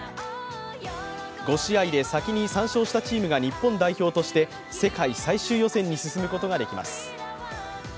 ５試合で先に３勝したチームが日本代表として世界最終予選に進むことができます。